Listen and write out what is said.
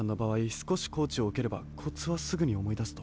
すこしコーチをうければコツはすぐにおもいだすと。